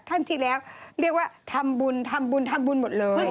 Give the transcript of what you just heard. ท่านที่แล้วเรียกว่าทำบุญทำบุญทำบุญหมดเลย